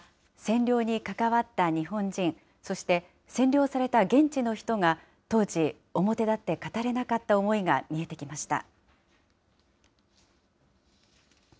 そこからは占領に関わった日本人、そして、占領された現地の人が当時、表立って語れなかった思いが見えてきました。